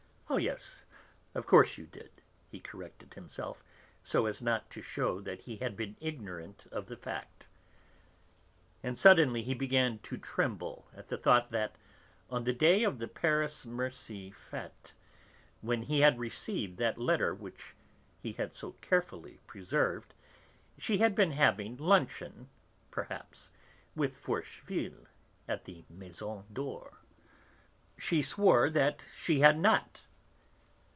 Oh, yes, of course you did," he corrected himself, so as not to shew that he had been ignorant of the fact. And suddenly he began to tremble at the thought that, on the day of the Paris Murcie Fête, when he had received that letter which he had so carefully preserved, she had been having luncheon, perhaps, with Forcheville at the Maison d'Or. She swore that she had not.